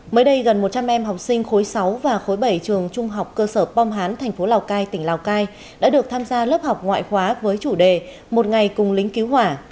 mới đây gần một trăm linh em học sinh khối sáu và khối bảy trường trung học cơ sở pom hán thành phố lào cai tỉnh lào cai đã được tham gia lớp học ngoại khóa với chủ đề một ngày cùng lính cứu hỏa